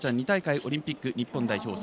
２大会オリンピック日本代表